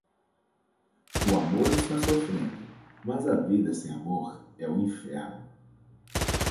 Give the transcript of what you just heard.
O amor está sofrendo, mas a vida sem amor é o inferno.